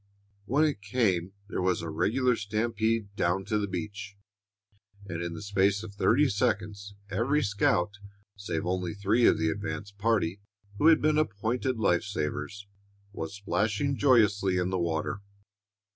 When it came, there was a regular stampede down to the beach, and in the space of thirty seconds every scout, save only three of the advance party, who had been appointed life savers, was splashing joyously in the water.